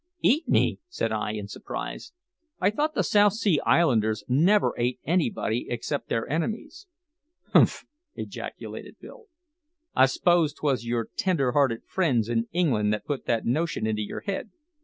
"Eat me!" said I in surprise. "I thought the South Sea Islanders never ate anybody except their enemies." "Humph!" ejaculated Bill. "I 'spose 'twas yer tender hearted friends in England that put that notion into your head.